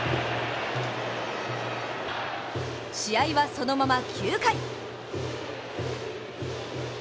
試合はそのまま９回。